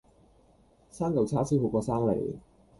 生舊叉燒好過生你